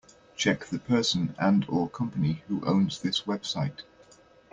Check the person and/or company who owns this website.